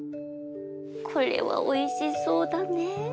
これはおいしそうだね。